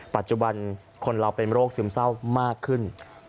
ปัจจุบันคนเราเป็นโรคซึมเศร้ามากขึ้น